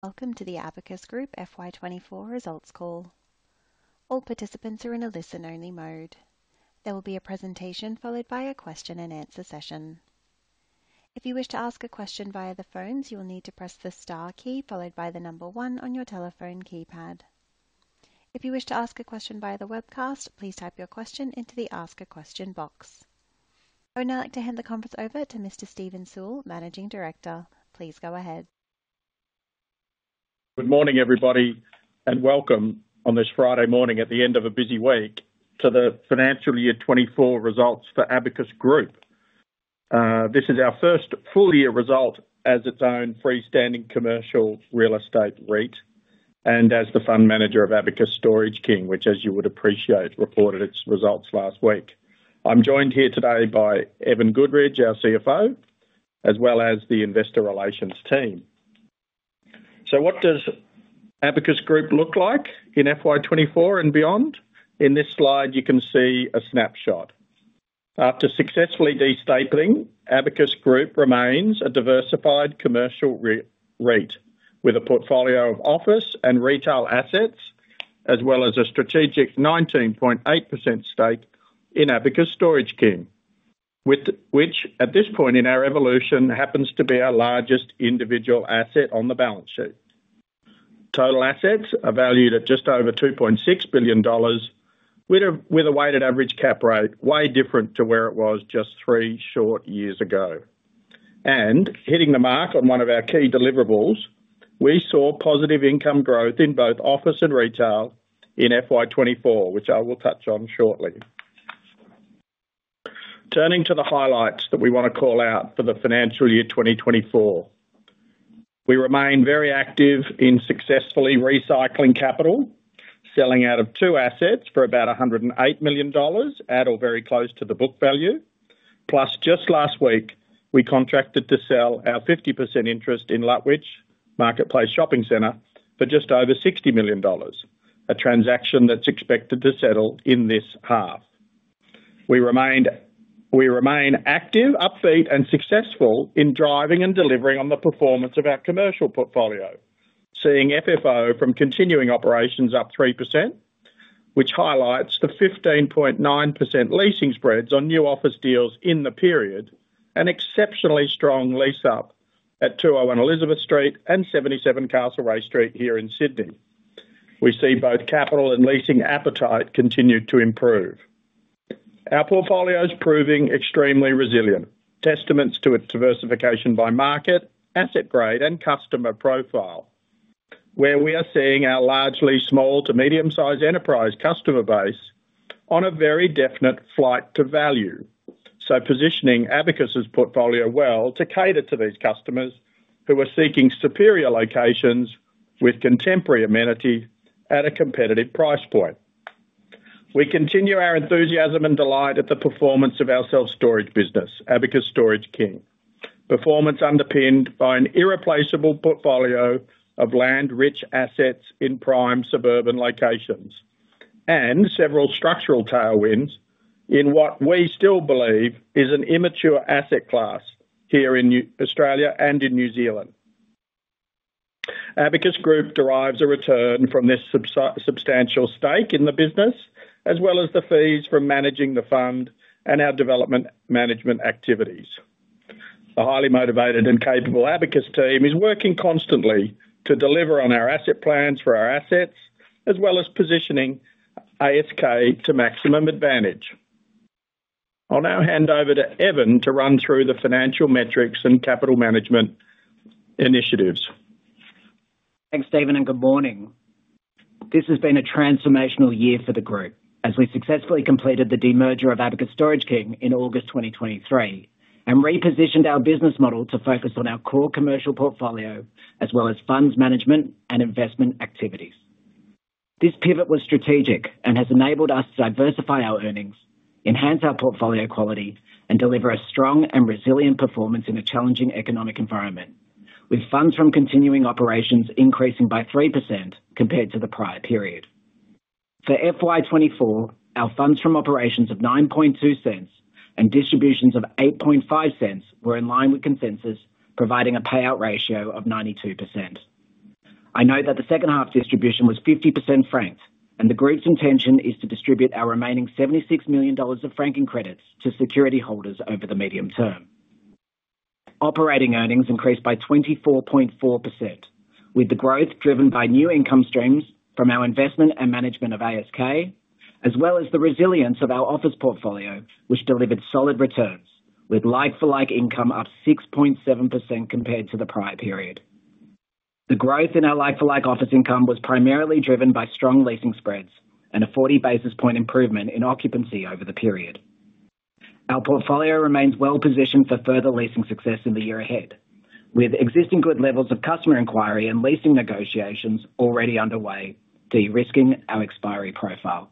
Welcome to the Abacus Group FY 2024 results call. All participants are in a listen-only mode. There will be a presentation, followed by a Q&A session. If you wish to ask a question via the phones, you will need to press the star key, followed by the number one on your telephone keypad. If you wish to ask a question via the webcast, please type your question into the Ask a Question box. I would now like to hand the conference over to Mr. Steven Sewell, Managing Director. Please go ahead. Good morning, everybody, and welcome on this Friday morning at the end of a busy week to the financial year 2024 results for Abacus Group. This is our first full-year result as its own freestanding commercial real estate REIT, and as the fund manager of Abacus Storage King, which, as you would appreciate, reported its results last week. I'm joined here today by Evan Goodridge, our CFO, as well as the investor relations team. So what does Abacus Group look like in FY 2024 and beyond? In this slide, you can see a snapshot. After successfully de-stapling, Abacus Group remains a diversified commercial REIT, with a portfolio of office and retail assets, as well as a strategic 19.8% stake in Abacus Storage King. With which, at this point in our evolution, happens to be our largest individual asset on the balance sheet. Total assets are valued at just over 2.6 billion dollars, with a weighted average cap rate way different to where it was just three short years ago, and hitting the mark on one of our key deliverables, we saw positive income growth in both office and retail in FY 2024, which I will touch on shortly. Turning to the highlights that we want to call out for the financial year 2024. We remain very active in successfully recycling capital, selling out of two assets for about 108 million dollars at or very close to the book value. Plus, just last week, we contracted to sell our 50% interest in Lutwyche Marketplace Shopping Centre for just over 60 million dollars, a transaction that's expected to settle in this half. We remain active, upbeat and successful in driving and delivering on the performance of our commercial portfolio, seeing FFO from continuing operations up 3%, which highlights the 15.9% leasing spreads on new office deals in the period, an exceptionally strong lease-up at 201 Elizabeth Street and 77 Castlereagh Street here in Sydney. We see both capital and leasing appetite continue to improve. Our portfolio is proving extremely resilient, testaments to its diversification by market, asset grade, and customer profile, where we are seeing our largely small to medium-sized enterprise customer base on a very definite flight to value. So positioning Abacus' portfolio well to cater to these customers who are seeking superior locations with contemporary amenities at a competitive price point. We continue our enthusiasm and delight at the performance of our self-storage business, Abacus Storage King. Performance underpinned by an irreplaceable portfolio of land-rich assets in prime suburban locations, and several structural tailwinds in what we still believe is an immature asset class here in Australia and in New Zealand. Abacus Group derives a return from this substantial stake in the business, as well as the fees from managing the fund and our development management activities. The highly motivated and capable Abacus team is working constantly to deliver on our asset plans for our assets, as well as positioning ASK to maximum advantage. I'll now hand over to Evan Goodridge to run through the financial metrics and capital management initiatives. Thanks, Steven Sewell, and good morning. This has been a transformational year for the group as we successfully completed the demerger of Abacus Storage King in August 2023, and repositioned our business model to focus on our core commercial portfolio, as well as funds management and investment activities. This pivot was strategic and has enabled us to diversify our earnings, enhance our portfolio quality, and deliver a strong and resilient performance in a challenging economic environment, with funds from continuing operations increasing by 3% compared to the prior period. For FY 2024, our funds from operations of 0.092 and distributions of 0.085 were in line with consensus, providing a payout ratio of 92%. I note that the second half's distribution was 50% franked, and the group's intention is to distribute our remaining 76 million dollars of franking credits to security holders over the medium term. Operating earnings increased by 24.4%, with the growth driven by new income streams from our investment and management of ASK, as well as the resilience of our office portfolio, which delivered solid returns, with like-for-like income up 6.7% compared to the prior period. The growth in our like-for-like office income was primarily driven by strong leasing spreads and a 40 basis points improvement in occupancy over the period. Our portfolio remains well positioned for further leasing success in the year ahead, with existing good levels of customer inquiry and leasing negotiations already underway, de-risking our expiry profile.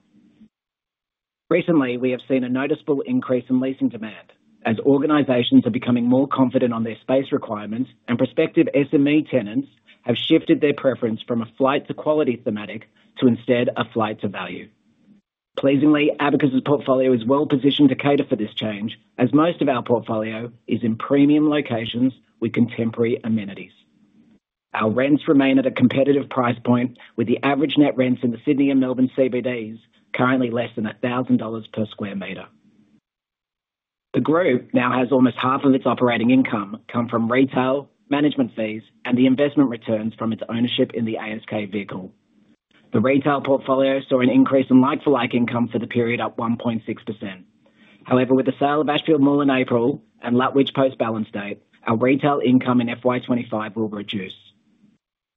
Recently, we have seen a noticeable increase in leasing demand as organizations are becoming more confident on their space requirements, and prospective SME tenants have shifted their preference from a flight to quality thematic to instead a flight to value. Pleasingly, Abacus' portfolio is well-positioned to cater for this change, as most of our portfolio is in premium locations with contemporary amenities. Our rents remain at a competitive price point, with the average net rents in the Sydney and Melbourne CBDs currently less than 1,000 dollars per square meter. The group now has almost half of its operating income come from retail, management fees, and the investment returns from its ownership in the ASK vehicle. The retail portfolio saw an increase in like-for-like income for the period, up 1.6%. However, with the sale of Ashfield Mall in April and Lutwyche post-balance date, our retail income in FY 2025 will reduce.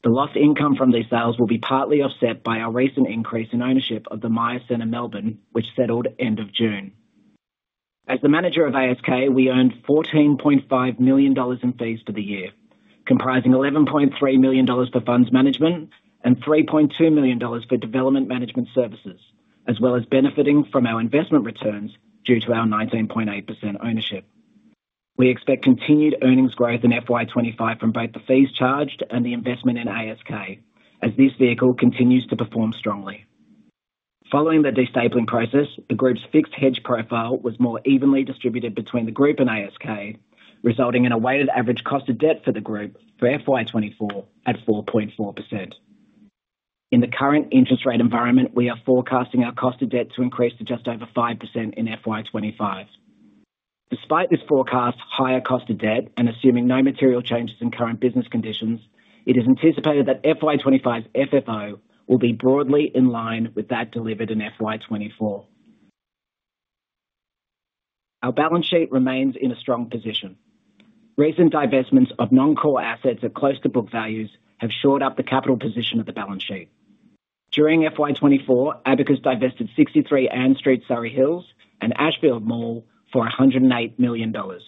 The lost income from these sales will be partly offset by our recent increase in ownership of the Myer Centre Melbourne, which settled end of June. As the manager of ASK, we earned 14.5 million dollars in fees for the year, comprising 11.3 million dollars for funds management and 3.2 million dollars for development management services, as well as benefiting from our investment returns due to our 19.8% ownership. We expect continued earnings growth in FY 2025 from both the fees charged and the investment in ASK, as this vehicle continues to perform strongly. Following the de-stapling process, the group's fixed hedge profile was more evenly distributed between the group and ASK, resulting in a weighted average cost of debt for the group for FY 2024 at 4.4%. In the current interest rate environment, we are forecasting our cost of debt to increase to just over 5% in FY 2025. Despite this forecast, higher cost of debt, and assuming no material changes in current business conditions, it is anticipated that FY 2025 FFO will be broadly in line with that delivered in FY 2024. Our balance sheet remains in a strong position. Recent divestments of non-core assets at close to book values have shored up the capital position of the balance sheet. During FY 2024, Abacus divested 63 Ann Street, Surry Hills, and Ashfield Mall for 108 million dollars.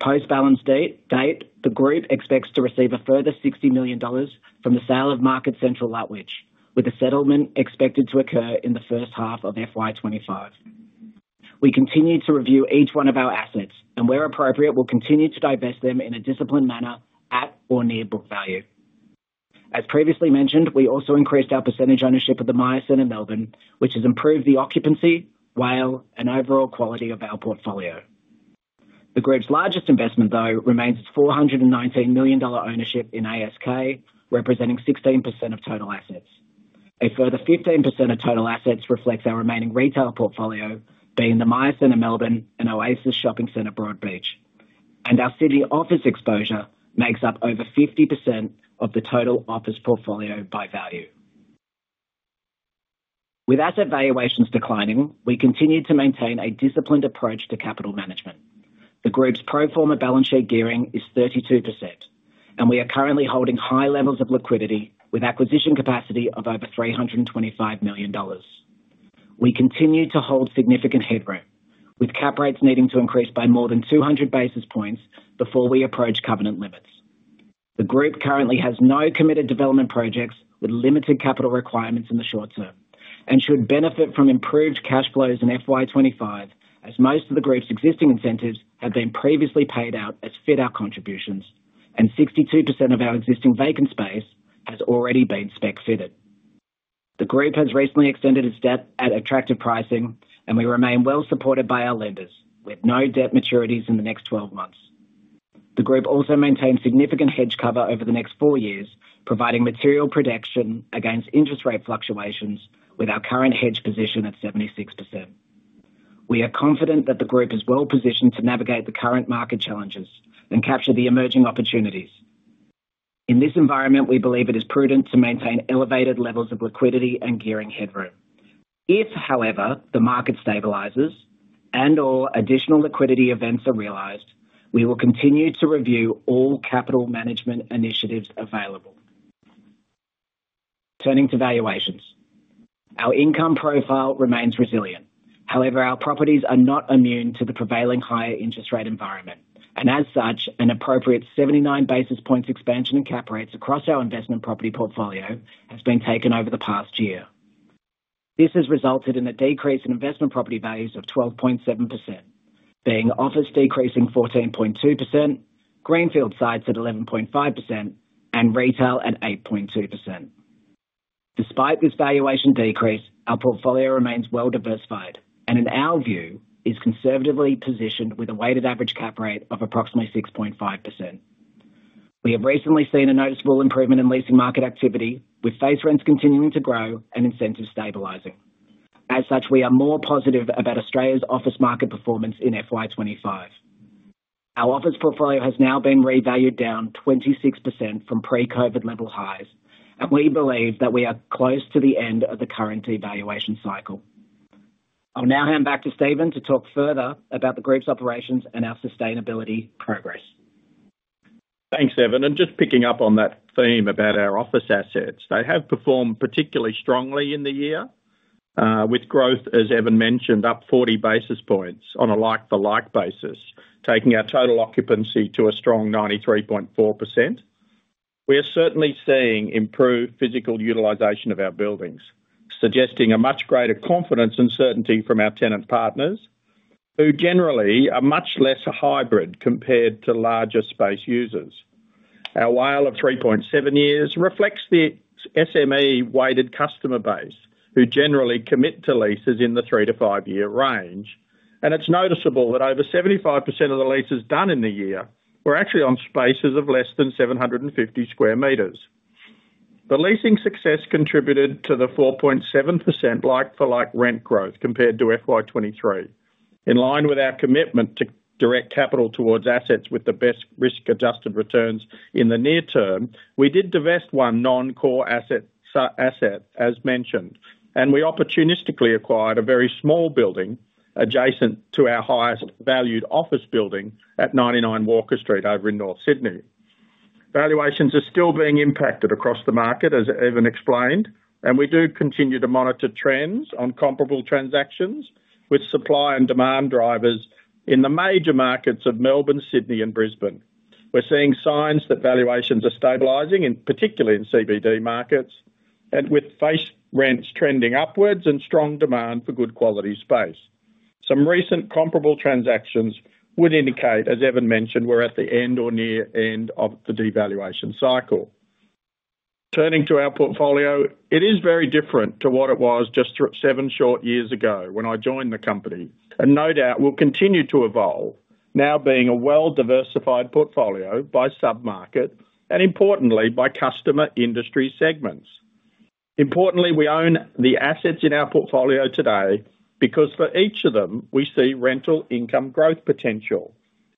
Post-balance date, the group expects to receive a further 60 million dollars from the sale of Market Central Lutwyche, with the settlement expected to occur in the first-half of FY 2025. We continue to review each one of our assets, and where appropriate, will continue to divest them in a disciplined manner at or near book value. As previously mentioned, we also increased our percentage ownership of the Myer Centre Melbourne, which has improved the occupancy, WALE, and overall quality of our portfolio. The group's largest investment, though, remains its 419 million dollar ownership in ASK, representing 16% of total assets. A further 15% of total assets reflects our remaining retail portfolio, being the Myer Centre Melbourne and Oasis Shopping Centre, Broadbeach. Our city office exposure makes up over 50% of the total office portfolio by value. With asset valuations declining, we continue to maintain a disciplined approach to capital management. The group's pro forma balance sheet gearing is 32%, and we are currently holding high levels of liquidity with acquisition capacity of over 325 million dollars. We continue to hold significant headroom, with cap rates needing to increase by more than 200 basis points before we approach covenant limits. The group currently has no committed development projects, with limited capital requirements in the short term, and should benefit from improved cash flows in FY 2025, as most of the group's existing incentives have been previously paid out as fit-out contributions, and 62% of our existing vacant space has already been spec fitted. The group has recently extended its debt at attractive pricing, and we remain well supported by our lenders, with no debt maturities in the next twelve months. The group also maintains significant hedge cover over the next four years, providing material protection against interest rate fluctuations with our current hedge position at 76%. We are confident that the group is well positioned to navigate the current market challenges and capture the emerging opportunities. In this environment, we believe it is prudent to maintain elevated levels of liquidity and gearing headroom. If, however, the market stabilizes and/or additional liquidity events are realized, we will continue to review all capital management initiatives available. Turning to valuations. Our income profile remains resilient. However, our properties are not immune to the prevailing higher interest rate environment, and as such, an appropriate 79 basis points expansion in cap rates across our investment property portfolio has been taken over the past year. This has resulted in a decrease in investment property values of 12.7%, being office decreasing 14.2%, greenfield sites at 11.5%, and retail at 8.2%. Despite this valuation decrease, our portfolio remains well-diversified and in our view, is conservatively positioned with a weighted average cap rate of approximately 6.5%. We have recently seen a noticeable improvement in leasing market activity, with base rents continuing to grow and incentives stabilizing. As such, we are more positive about Australia's office market performance in FY 2025. Our office portfolio has now been revalued down 26% from pre-COVID level highs, and we believe that we are close to the end of the current devaluation cycle. I'll now hand back to Steven Sewell to talk further about the group's operations and our sustainability progress. Thanks, Evan Goodridge, and just picking up on that theme about our office assets. They have performed particularly strongly in the year with growth, as Evan Goodridge mentioned, up 40 basis points on a like-for-like basis, taking our total occupancy to a strong 93.4%. We are certainly seeing improved physical utilization of our buildings, suggesting a much greater confidence and certainty from our tenant partners, who generally are much less hybrid compared to larger space users. Our WALE of 3.7 years reflects the SME-weighted customer base, who generally commit to leases in the three to five-year range. And it's noticeable that over 75% of the leases done in the year were actually on spaces of less than 750 square meters. The leasing success contributed to the 4.7% like-for-like rent growth compared to FY 2023. In line with our commitment to direct capital towards assets with the best risk-adjusted returns in the near term, we did divest one non-core asset, asset, as mentioned, and we opportunistically acquired a very small building adjacent to our highest valued office building at 99 Walker Street over in North Sydney. Valuations are still being impacted across the market, as Evan Goodridge explained, and we do continue to monitor trends on comparable transactions with supply and demand drivers in the major markets of Melbourne, Sydney, and Brisbane. We're seeing signs that valuations are stabilizing, in particular in CBD markets, and with face rents trending upwards and strong demand for good quality space. Some recent comparable transactions would indicate, as Evan Goodridge mentioned, we're at the end or near end of the devaluation cycle. Turning to our portfolio, it is very different to what it was just seven short years ago when I joined the company, and no doubt will continue to evolve, now being a well-diversified portfolio by sub-market, and importantly, by customer industry segments. Importantly, we own the assets in our portfolio today, because for each of them, we see rental income growth potential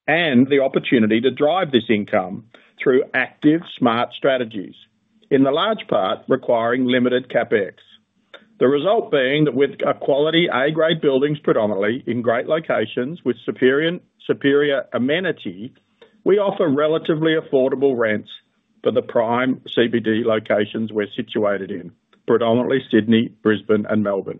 and the opportunity to drive this income through active, smart strategies, in the large part, requiring limited CapEx. The result being that with a quality A-grade buildings, predominantly in great locations with superior, superior amenity, we offer relatively affordable rents for the prime CBD locations we're situated in, predominantly Sydney, Brisbane, and Melbourne.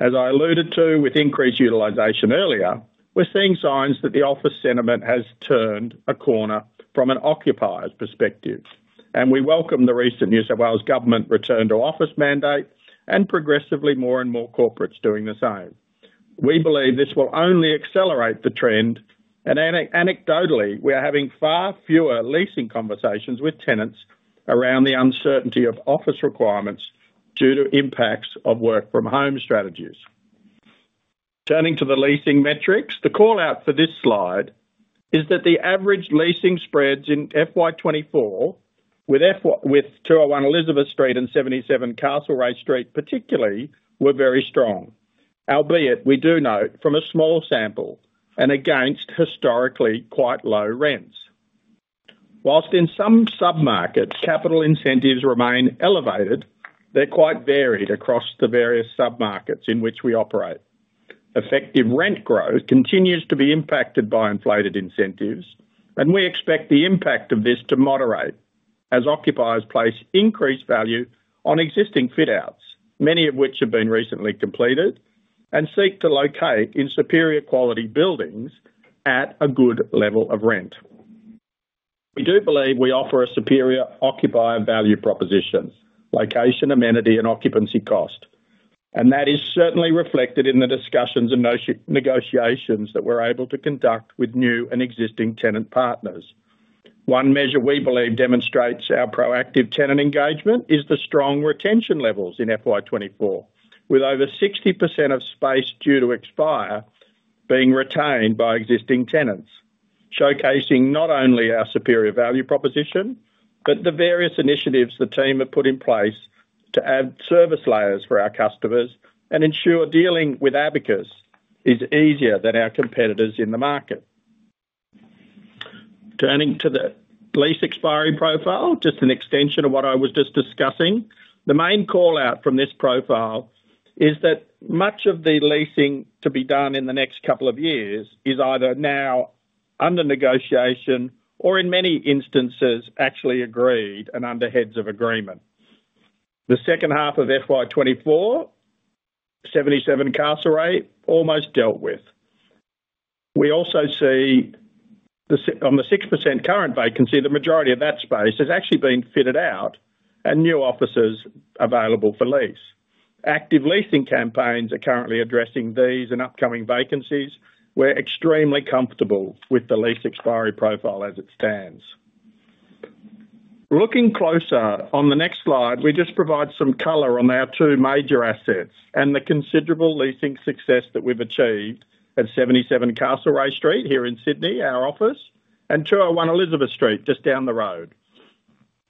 As I alluded to with increased utilization earlier, we're seeing signs that the office sentiment has turned a corner from an occupier's perspective, and we welcome the recent New South Wales Government return to office mandate and progressively more and more corporates doing the same. We believe this will only accelerate the trend, and anecdotally, we are having far fewer leasing conversations with tenants around the uncertainty of office requirements due to impacts of work from home strategies. Turning to the leasing metrics, the call out for this slide is that the average leasing spreads in FY 2024 with 201 Elizabeth Street and 77 Castlereagh Street, particularly, were very strong, albeit we do note from a small sample and against historically quite low rents. Whilst in some sub-markets, capital incentives remain elevated, they're quite varied across the various sub-markets in which we operate. Effective rent growth continues to be impacted by inflated incentives, and we expect the impact of this to moderate as occupiers place increased value on existing fit outs, many of which have been recently completed, and seek to locate in superior quality buildings at a good level of rent. We do believe we offer a superior occupier value proposition, location, amenity, and occupancy cost, and that is certainly reflected in the discussions and negotiations that we're able to conduct with new and existing tenant partners. One measure we believe demonstrates our proactive tenant engagement is the strong retention levels in FY 2024, with over 60% of space due to expire being retained by existing tenants, showcasing not only our superior value proposition, but the various initiatives the team have put in place to add service layers for our customers and ensure dealing with Abacus is easier than our competitors in the market. Turning to the lease expiry profile, just an extension of what I was just discussing. The main call-out from this profile is that much of the leasing to be done in the next couple of years is either now under negotiation or in many instances, actually agreed and under heads of agreement. The second half of FY 2024, 77 Castlereagh, almost dealt with. We also see the 6% current vacancy, the majority of that space has actually been fitted out and new offices available for lease. Active leasing campaigns are currently addressing these and upcoming vacancies. We're extremely comfortable with the lease expiry profile as it stands. Looking closer on the next slide, we just provide some color on our two major assets and the considerable leasing success that we've achieved at 77 Castlereagh Street here in Sydney, our office, and 201 Elizabeth Street, just down the road.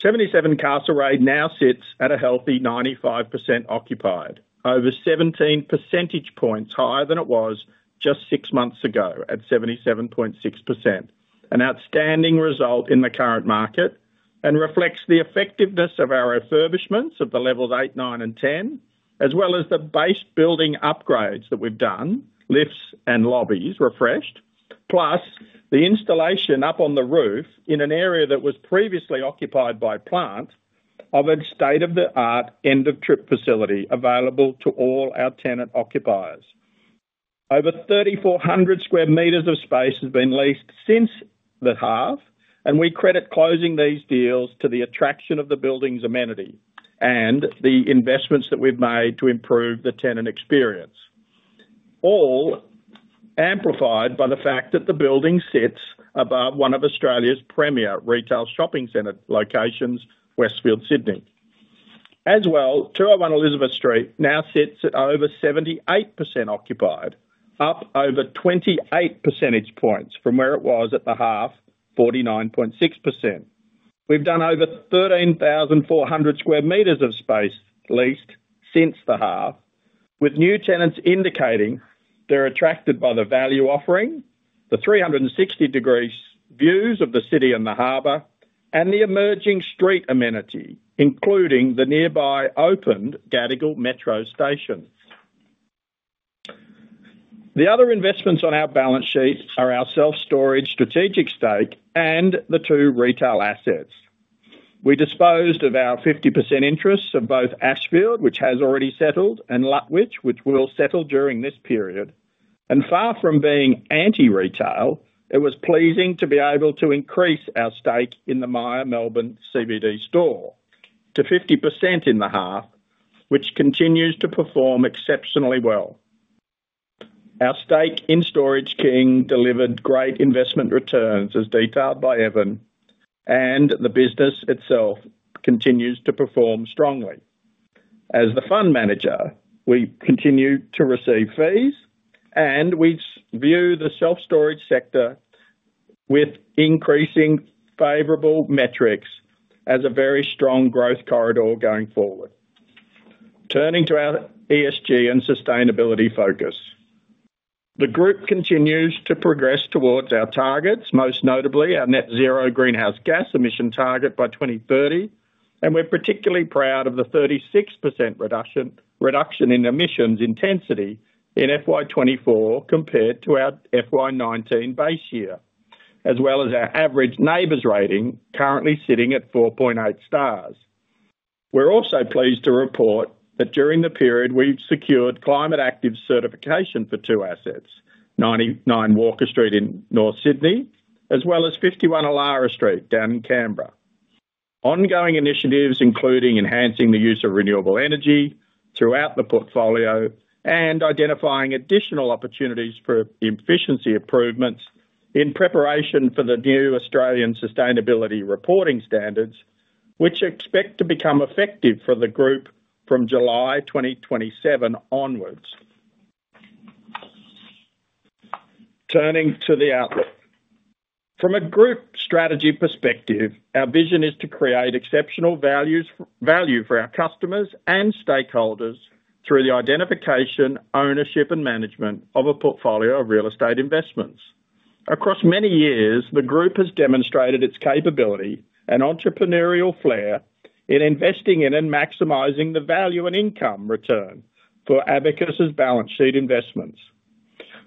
77 Castlereagh now sits at a healthy 95% occupied, over seventeen percentage points higher than it was just six months ago at 77.6%. An outstanding result in the current market and reflects the effectiveness of our refurbishments of the levels eight, nine, and 10, as well as the base building upgrades that we've done, lifts and lobbies refreshed, plus the installation up on the roof in an area that was previously occupied by plant, of a state-of-the-art end-of-trip facility available to all our tenant occupiers. Over 3,400 square meters of space has been leased since the half, and we credit closing these deals to the attraction of the building's amenity and the investments that we've made to improve the tenant experience, all amplified by the fact that the building sits above one of Australia's premier retail shopping center locations, Westfield Sydney. As well, 201 Elizabeth Street now sits at over 78% occupied, up over 28 percentage points from where it was at the half, 49.6%. We've done over 13,400 sq m of space leased since the half, with new tenants indicating they're attracted by the value offering, the 360-degree views of the city and the harbor, and the emerging street amenity, including the nearby opened Gadigal Metro Station. The other investments on our balance sheet are our self-storage strategic stake and the two retail assets. We disposed of our 50% interests of both Ashfield, which has already settled, and Lutwyche, which will settle during this period. And far from being anti-retail, it was pleasing to be able to increase our stake in the Myer Centre Melbourne to 50% in the half, which continues to perform exceptionally well. Our stake in Storage King delivered great investment returns, as detailed by Evan Goodridge, and the business itself continues to perform strongly. As the fund manager, we continue to receive fees, and we view the self-storage sector with increasing favorable metrics as a very strong growth corridor going forward. Turning to our ESG and sustainability focus. The group continues to progress towards our targets, most notably our net zero greenhouse gas emission target by 2030, and we're particularly proud of the 36% reduction in emissions intensity in FY 2024 compared to our FY 2019 base year, as well as our average NABERS rating, currently sitting at 4.8 stars. We're also pleased to report that during the period we've secured Climate Active certification for two assets: 99 Walker Street in North Sydney, as well as 51 Allara Street down in Canberra. Ongoing initiatives including enhancing the use of renewable energy throughout the portfolio and identifying additional opportunities for efficiency improvements in preparation for the new Australian Sustainability Reporting Standards, which expect to become effective for the group from July 2027 onwards. Turning to the outlook. From a group strategy perspective, our vision is to create exceptional value for our customers and stakeholders through the identification, ownership, and management of a portfolio of real estate investments. Across many years, the group has demonstrated its capability and entrepreneurial flair in investing in and maximizing the value and income return for Abacus's balance sheet investments.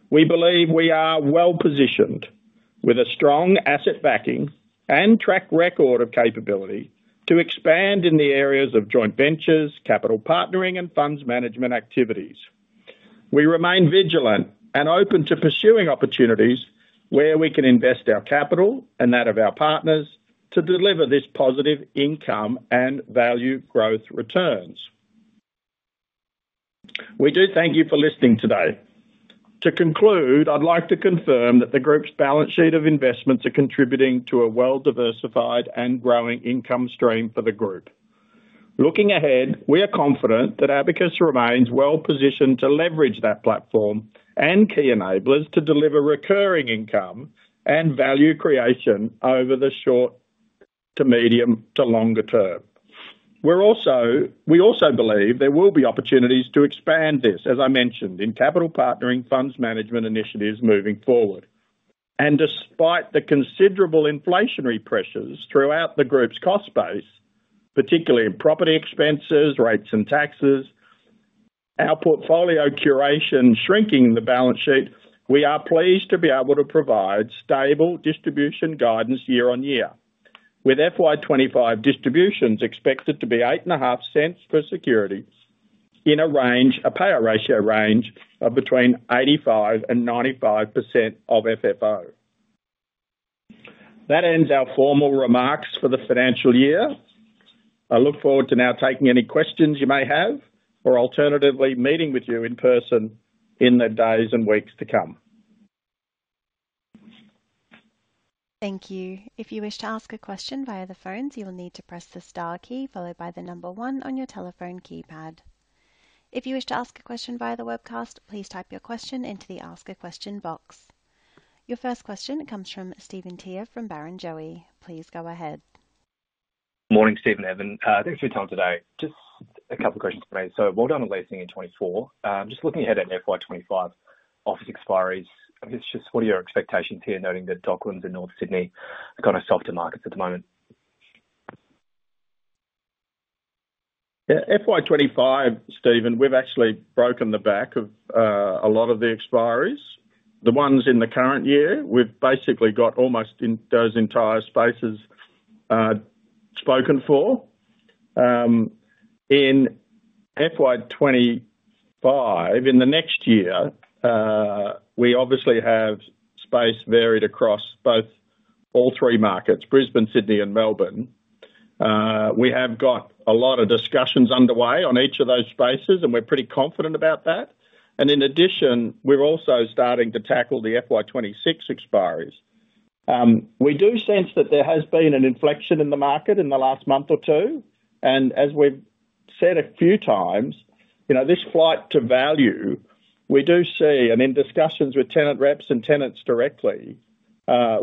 We believe we are well-positioned, with a strong asset backing and track record of capability to expand in the areas of joint ventures, capital partnering, and funds management activities. We remain vigilant and open to pursuing opportunities where we can invest our capital and that of our partners to deliver this positive income and value growth returns. We do thank you for listening today. To conclude, I'd like to confirm that the group's balance sheet of investments are contributing to a well-diversified and growing income stream for the group. Looking ahead, we are confident that Abacus remains well-positioned to leverage that platform and key enablers to deliver recurring income and value creation over the short to medium to longer-term. We also believe there will be opportunities to expand this, as I mentioned, in capital partnering funds management initiatives moving forward. And despite the considerable inflationary pressures throughout the group's cost base, particularly in property expenses, rates and taxes, our portfolio curation shrinking the balance sheet, we are pleased to be able to provide stable distribution guidance year-on-year, with FY 2025 distributions expected to be 0.085 per securities in a range, a payout ratio range of between 85% and 95% of FFO. That ends our formal remarks for the financial year. I look forward to now taking any questions you may have or alternatively, meeting with you in person in the days and weeks to come. Thank you. If you wish to ask a question via the phones, you will need to press the star key followed by the number one on your telephone keypad. If you wish to ask a question via the webcast, please type your question into the Ask a Question box. Your first question comes from Stephen Tia from Barrenjoey. Please go ahead. Morning, Steven Sewell, Evan Goodridge. Thanks for your time today. Just a couple of questions to make. So well done on leasing in 2024. Just looking ahead at FY 2025 office expiries, I guess just what are your expectations here, noting that Docklands in North Sydney are kind of soft to markets at the moment? Yeah. FY 2025, Stephen Tia, we've actually broken the back of a lot of the expiries. The ones in the current year, we've basically got almost in those entire spaces spoken for. In FY 2025, in the next year, we obviously have space varied across both all three markets, Brisbane, Sydney, and Melbourne. We have got a lot of discussions underway on each of those spaces, and we're pretty confident about that. And in addition, we're also starting to tackle the FY 2026 expiries. We do sense that there has been an inflection in the market in the last month or two, and as we've said a few times, you know, this flight to value, we do see, and in discussions with tenant reps and tenants directly,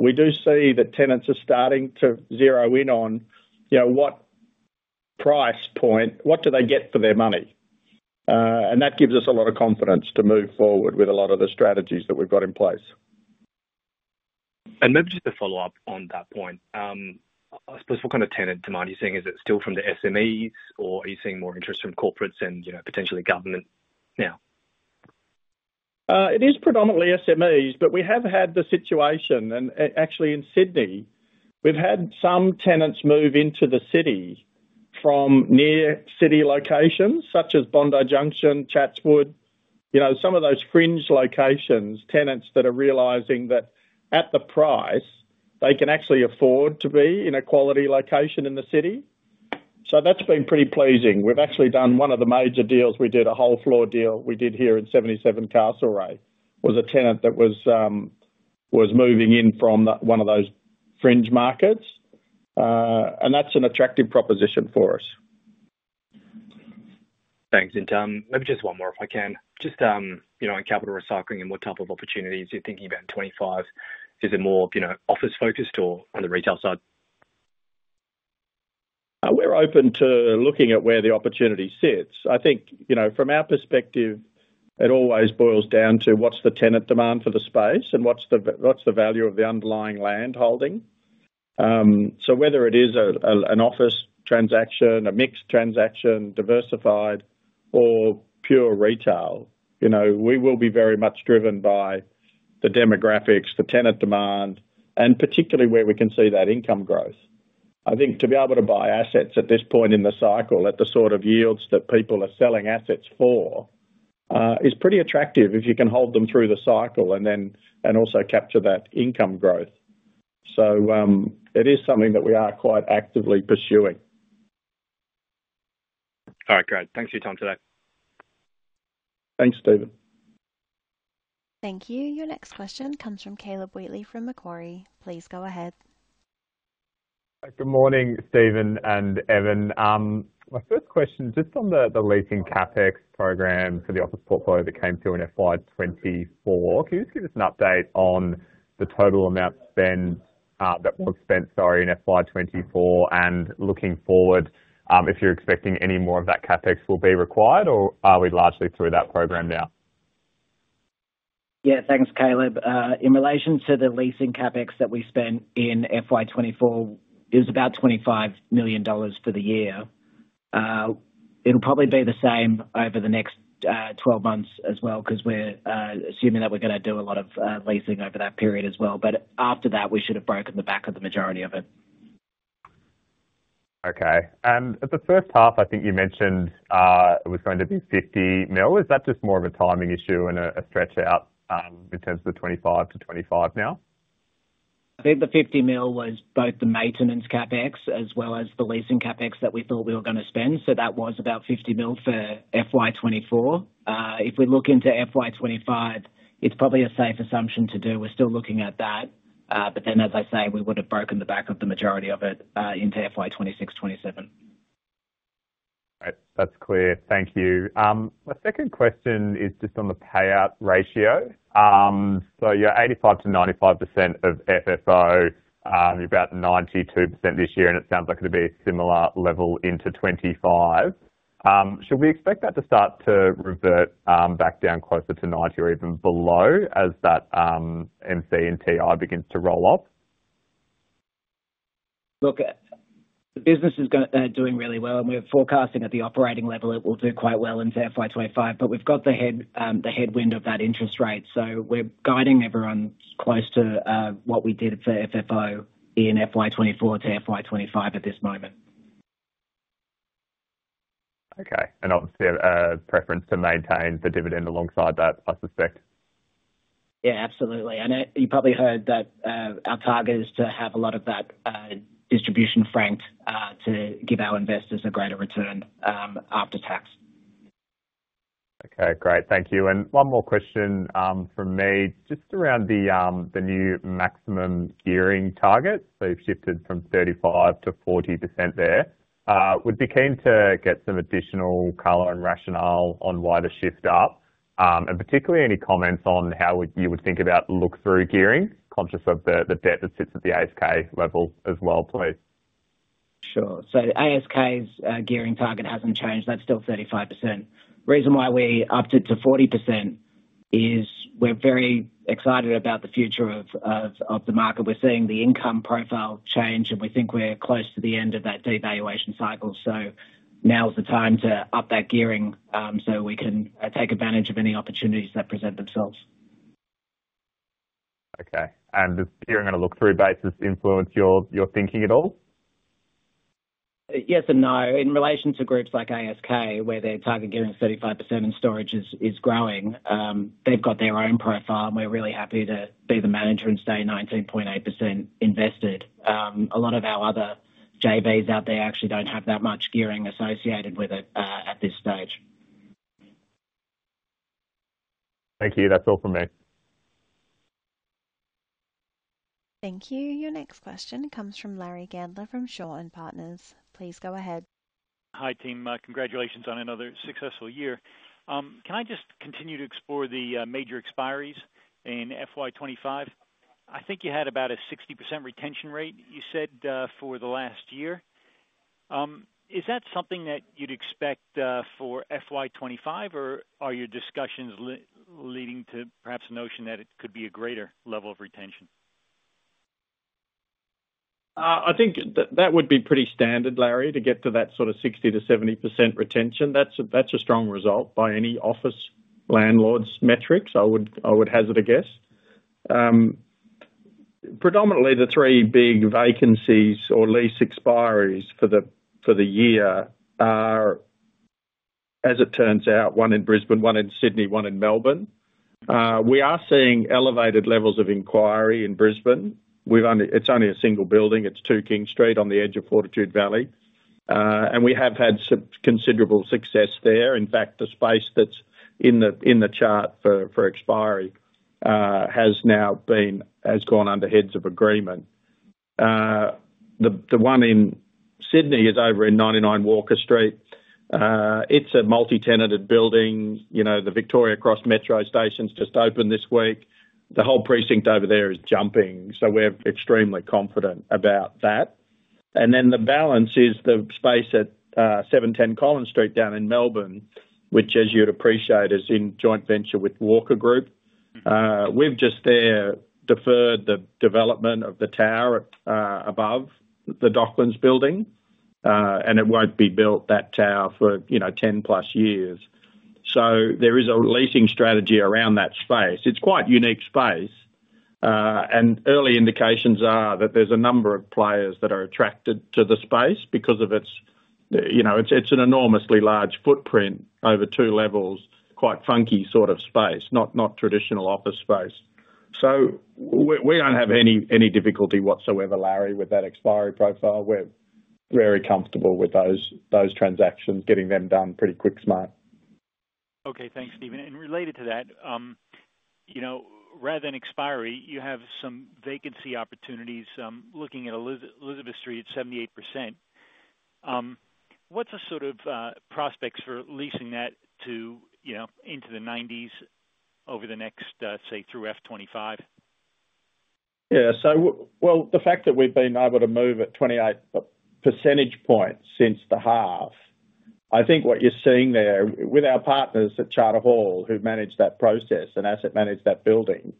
we do see that tenants are starting to zero in on, you know, what price point, what do they get for their money? And that gives us a lot of confidence to move forward with a lot of the strategies that we've got in place. And maybe just a follow-up on that point. I suppose, what kind of tenant demand are you seeing? Is it still from the SMEs, or are you seeing more interest from corporates and, you know, potentially government now? It is predominantly SMEs, but we have had the situation, and actually in Sydney, we've had some tenants move into the city from near city locations such as Bondi Junction, Chatswood. You know, some of those fringe locations, tenants that are realizing that at the price, they can actually afford to be in a quality location in the city. So that's been pretty pleasing. We've actually done one of the major deals, we did a whole floor deal we did here in 77 Castlereagh, was a tenant that was, was moving in from one of those fringe markets. And that's an attractive proposition for us. Thanks. And, maybe just one more, if I can. Just, you know, on capital recycling and what type of opportunities you're thinking about in 2025. Is it more, you know, office focused or on the retail side? We're open to looking at where the opportunity sits. I think, you know, from our perspective, it always boils down to what's the tenant demand for the space and what's the value of the underlying land holding. So whether it is an office transaction, a mixed transaction, diversified or pure retail, you know, we will be very much driven by the demographics, the tenant demand, and particularly where we can see that income growth. I think to be able to buy assets at this point in the cycle, at the sort of yields that people are selling assets for, is pretty attractive if you can hold them through the cycle and then, and also capture that income growth. It is something that we are quite actively pursuing. All right, great. Thanks for your time today. Thanks, Stephen Tia. Thank you. Your next question comes from Caleb Wheatley, from Macquarie. Please go ahead. Good morning, Steven Sewell and Evan Goodridge. My first question, just on the leasing CapEx program for the office portfolio that came through in FY 2024. Can you just give us an update on the total amount spent in FY 2024, and looking forward, if you're expecting any more of that CapEx will be required, or are we largely through that program now? Yeah, thanks, Caleb Wheatley. In relation to the leasing CapEx that we spent in FY 2024, it was about 25 million dollars for the year. It'll probably be the same over the next 12 months as well, 'cause we're assuming that we're gonna do a lot of leasing over that period as well. But after that, we should have broken the back of the majority of it. Okay. At the first-half, I think you mentioned, it was going to be 50 million. Is that just more of a timing issue and a stretch out, in terms of the 25 million-25 million now? I think the 50 million was both the maintenance CapEx as well as the leasing CapEx that we thought we were gonna spend, so that was about 50 million for FY 2024. If we look into FY 2025, it's probably a safe assumption to do. We're still looking at that, but then, as I say, we would have broken the back of the majority of it into FY 2026-FY 2027. Right. That's clear. Thank you. My second question is just on the payout ratio. So you're 85%-95% of FFO, about 92% this year, and it sounds like it'll be a similar level into 2025. Should we expect that to start to revert, back down closer to 90% or even below as that, LC and TI begins to roll off? Look, the business is doing really well, and we're forecasting at the operating level it will do quite well into FY 2025, but we've got the headwind of that interest rate, so we're guiding everyone close to what we did for FFO in FY 2024-FY 2025 at this moment. Okay. And obviously a preference to maintain the dividend alongside that, I suspect. Yeah, absolutely. I know you probably heard that our target is to have a lot of that distribution franked to give our investors a greater return after tax. Okay, great. Thank you. And one more question from me, just around the new maximum gearing target. So you've shifted from 35% to 40% there. I would be keen to get some additional color and rationale on why the shift up. And particularly, any comments on how you would think about look-through gearing, conscious of the debt that sits at the ASK level as well, please? Sure. So the ASK's gearing target hasn't changed. That's still 35%. Reason why we upped it to 40% is we're very excited about the future of the market. We're seeing the income profile change, and we think we're close to the end of that devaluation cycle. So now is the time to up that gearing, so we can take advantage of any opportunities that present themselves. Okay. And does gearing on a look-through basis influence your, your thinking at all? Yes and no. In relation to groups like ASK, where their target given is 35% and storage is growing, they've got their own profile, and we're really happy to be the manager and stay 19.8% invested. A lot of our other JVs out there actually don't have that much gearing associated with it, at this stage. Thank you. That's all from me. Thank you. Your next question comes from Larry Gandler of Shaw and Partners. Please go ahead. Hi, team. Congratulations on another successful year. Can I just continue to explore the major expiries in FY 2025? I think you had about a 60% retention rate, you said, for the last year. Is that something that you'd expect for FY 2025, or are your discussions leading to perhaps a notion that it could be a greater level of retention? I think that would be pretty standard, Larry Gandler, to get to that sort of 60%-70% retention. That's a strong result by any office landlord's metrics, I would hazard a guess. Predominantly the three big vacancies or lease expiries for the year are, as it turns out, one in Brisbane, one in Sydney, one in Melbourne. We are seeing elevated levels of inquiry in Brisbane. It's only a single building. It's 2 King Street on the edge of Fortitude Valley. And we have had substantial success there. In fact, the space that's in the chart for expiry has now gone under heads of agreement. The one in Sydney is over in 99 Walker Street. It's a multi-tenanted building. You know, the Victoria Cross Metro Station's just opened this week. The whole precinct over there is jumping, so we're extremely confident about that, and then the balance is the space at 710 Collins Street down in Melbourne, which, as you'd appreciate, is in joint venture with Walker Group. We've just there deferred the development of the tower above the Docklands building, and it won't be built, that tower, for, you know, 10+ years, so there is a leasing strategy around that space. It's quite unique space. And early indications are that there's a number of players that are attracted to the space because of its. You know, it's an enormously large footprint over two levels, quite funky sort of space, not traditional office space. So we don't have any difficulty whatsoever, Larry Gandler, with that expiry profile. We're very comfortable with those transactions, getting them done pretty quick smart. Okay, thanks, Steven Sewell. And related to that, you know, rather than expiry, you have some vacancy opportunities, looking at Elizabeth Street at 78%. What's the sort of prospects for leasing that to, you know, into the 90s over the next, say, through FY 2025? Yeah. Well, the fact that we've been able to move at 28 percentage points since the half, I think what you're seeing there with our partners at Charter Hall, who manage that process and asset manage that building,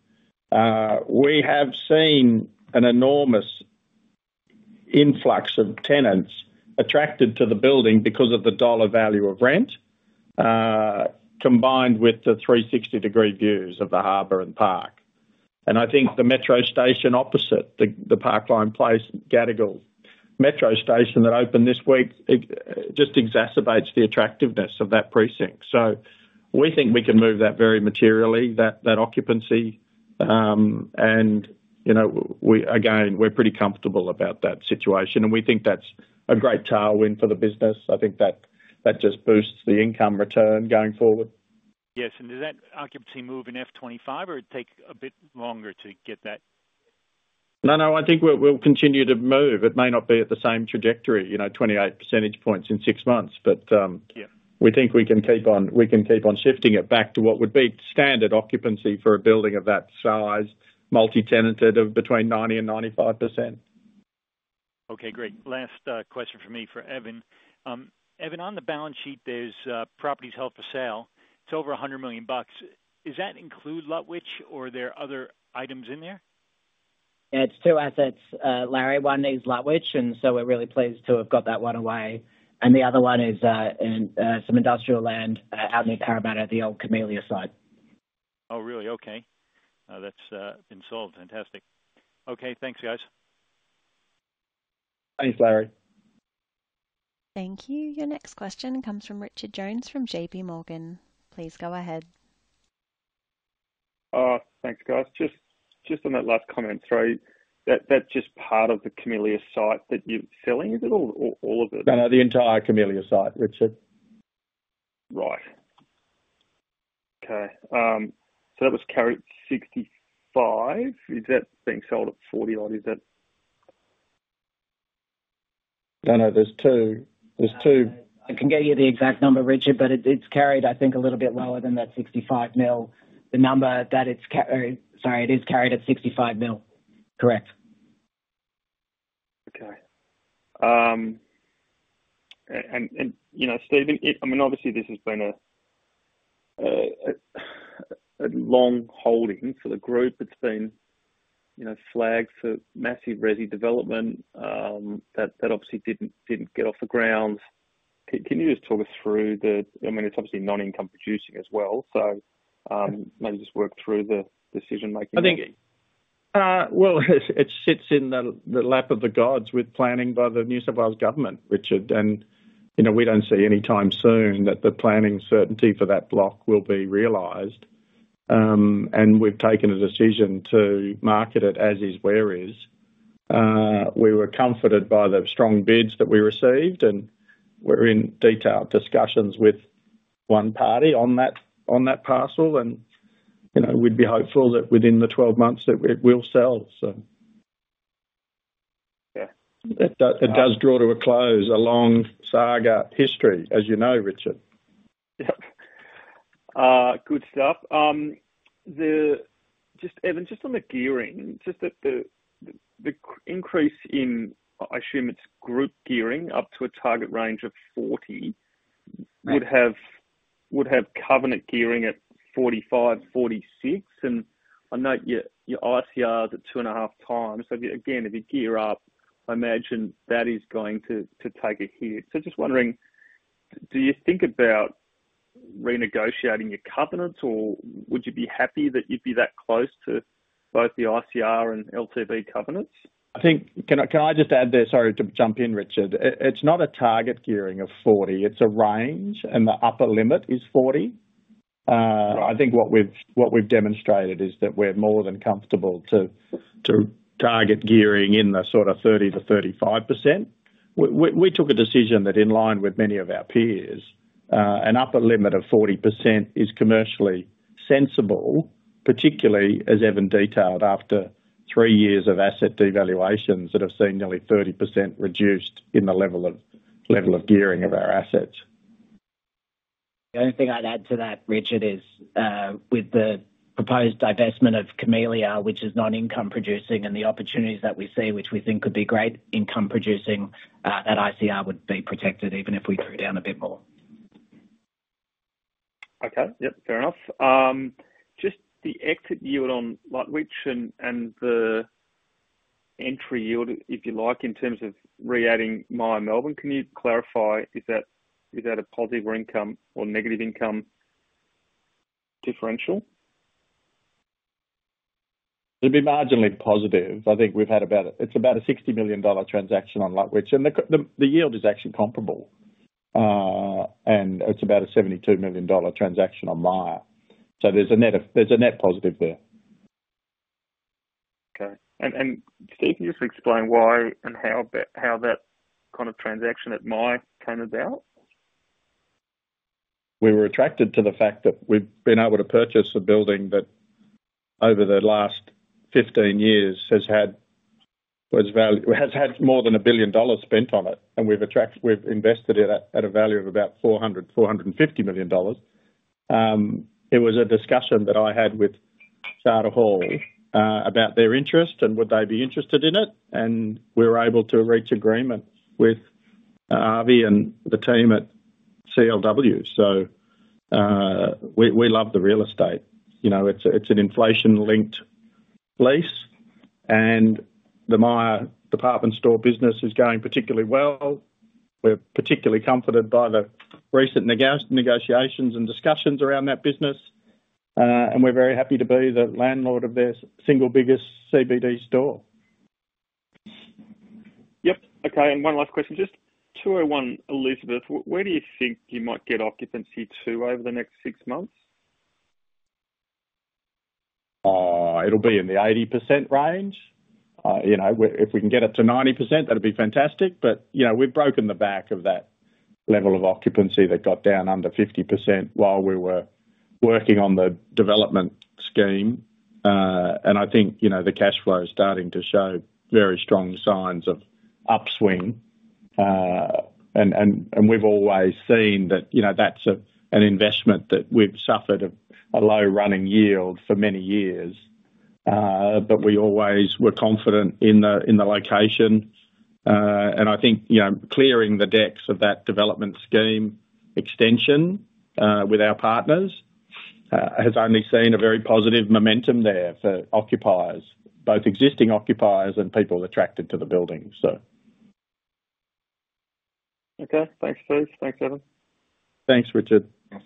we have seen an enormous influx of tenants attracted to the building because of the dollar value of rent, combined with the 360-degree views of the harbor and park, and I think the metro station opposite the Parkline Place, Gadigal Metro Station that opened this week, it just exacerbates the attractiveness of that precinct, so we think we can move that very materially, that occupancy, and you know, we again, we're pretty comfortable about that situation, and we think that's a great tailwind for the business. I think that just boosts the income return going forward. Yes, and does that occupancy move in FY 2025, or it take a bit longer to get that? No, no, I think we'll, we'll continue to move. It may not be at the same trajectory, you know, 28 percentage points in six months, but, Yeah. We think we can keep on shifting it back to what would be standard occupancy for a building of that size, multi-tenanted, of between 90% and 95%. Okay, great. Last question from me for Evan Goodridge. Evan Goodridge, on the balance sheet, there's properties held for sale. It's over 100 million bucks. Is that include Lutwyche or are there other items in there? It's two assets, Larry Gandler. One is Lutwyche, and so we're really pleased to have got that one away, and the other one is in some industrial land out near Parramatta, the old Camellia site. Oh, really? Okay. That's been sold. Fantastic. Okay, thanks, guys. Thanks, Larry Gandler. Thank you. Your next question comes from Richard Jones, from J.P. Morgan. Please go ahead. Thanks, guys. Just on that last comment, sorry, that's just part of the Camellia site that you're selling, is it, or all of it? No, the entire Camellia site, Richard Jones. Right. Okay. So that was carried 65 million. Is that being sold at 40 million odd, is that...? No, no, there's two. There's two- I can get you the exact number, Richard Jones, but it's carried, I think, a little bit lower than that 65 million. It is carried at 65 million. Correct. Okay. And, you know, Steven Sewell, it-- I mean, obviously this has been a long holding for the group. It's been, you know, flagged for massive resi development, that obviously didn't get off the ground. Can you just talk us through the... I mean, it's obviously non-income producing as well, so, maybe just work through the decision-making.... Well, it sits in the lap of the gods with planning by the New South Wales government, Richard Jones, and, you know, we don't see any time soon that the planning certainty for that block will be realized. We've taken a decision to market it as is, where is. We were comforted by the strong bids that we received, and we're in detailed discussions with one party on that parcel and, you know, we'd be hopeful that within the 12 months that it will sell, so. Yeah. It does draw to a close, a long saga history, as you know, Richard Jones. Yep. Good stuff. Just, Evan Goodridge, just on the gearing, just that the increase in, I assume it's group gearing, up to a target range of 40%, would have covenant gearing at 45%-46%, and I note your ICR is at two and 1/2x .So again, if you gear up, I imagine that is going to take a hit. So just wondering, do you think about renegotiating your covenants, or would you be happy that you'd be that close to both the ICR and LTV covenants? I think... Can I just add there, sorry to jump in, Richard Jones. It's not a target gearing of 40%, it's a range, and the upper limit is 40%. I think what we've demonstrated is that we're more than comfortable to target gearing in the sort of 30%-35%. We took a decision that in line with many of our peers, an upper limit of 40% is commercially sensible, particularly as Evan Goodridge detailed, after three years of asset devaluations that have seen nearly 30% reduced in the level of gearing of our assets. The only thing I'd add to that, Richard Jones, is, with the proposed divestment of Camellia, which is non-income producing, and the opportunities that we see, which we think could be great income producing, that ICR would be protected even if we threw down a bit more. Okay. Yep, fair enough. Just the exit yield on Lutwyche and the entry yield, if you like, in terms of re-adding Myer Melbourne, can you clarify, is that a positive income or negative income differential? It'd be marginally positive. I think we've had about a 60 million dollar transaction on Lutwyche, and the yield is actually comparable. And it's about a 72 million dollar transaction on Myer. So there's a net positive there. Okay. And Steven Sewell, can you just explain why and how that kind of transaction at Myer came about? We were attracted to the fact that we've been able to purchase a building that over the last 15 years has had more than 1 billion dollars spent on it, and we've invested it at a value of about 400-450 million dollars. It was a discussion that I had with Charter Hall about their interest and would they be interested in it, and we were able to reach agreement with Avi Anger and the team at CLW. So, we love the real estate. You know, it's an inflation-linked lease, and the Myer department store business is going particularly well. We're particularly comforted by the recent negotiations and discussions around that business, and we're very happy to be the landlord of their single biggest CBD store. Yep. Okay, and one last question. Just 201 Elizabeth, where do you think you might get occupancy to over the next six months? It'll be in the 80% range. You know, if we can get it to 90%, that'd be fantastic, but, you know, we've broken the back of that level of occupancy that got down under 50% while we were working on the development scheme. And I think, you know, the cash flow is starting to show very strong signs of upswing. We've always seen that, you know, that's an investment that we've suffered a low running yield for many years. But we always were confident in the location. And I think, you know, clearing the decks of that development scheme extension with our partners has only seen a very positive momentum there for occupiers, both existing occupiers and people attracted to the building, so. Okay. Thanks, Steven Sewell. Thanks, Evan Goodridge. Thanks, Richard Jones.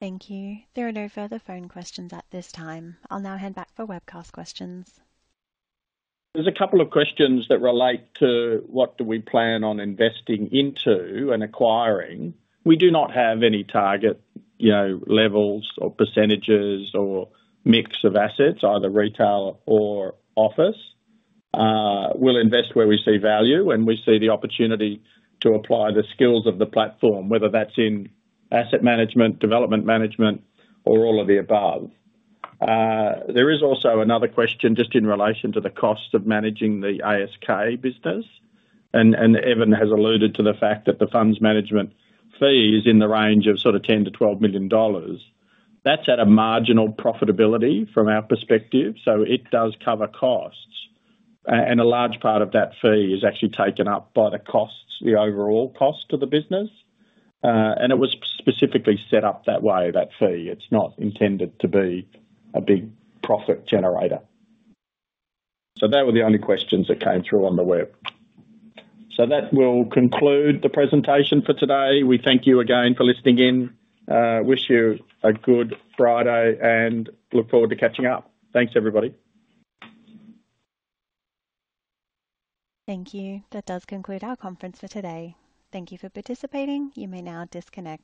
Thank you. There are no further phone questions at this time. I'll now hand back for webcast questions. There's a couple of questions that relate to: what do we plan on investing into and acquiring? We do not have any target, you know, levels or percentages or mix of assets, either retail or office. We'll invest where we see value, and we see the opportunity to apply the skills of the platform, whether that's in asset management, development management, or all of the above. There is also another question just in relation to the cost of managing the ASK business. And Evan Goodridge has alluded to the fact that the funds management fee is in the range of sort of 10-12 million dollars. That's at a marginal profitability from our perspective, so it does cover costs. And a large part of that fee is actually taken up by the costs, the overall cost of the business. And it was specifically set up that way, that fee. It's not intended to be a big profit generator. So that were the only questions that came through on the web. So that will conclude the presentation for today. We thank you again for listening in. Wish you a good Friday and look forward to catching up. Thanks, everybody. Thank you. That does conclude our conference for today. Thank you for participating. You may now disconnect.